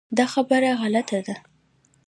دا خبره غلطه ده .